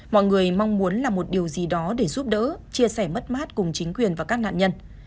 mọi người mong muốn là một điều gì đó để giúp đỡ chia sẻ mất mát cùng chính quyền và các nạn nhân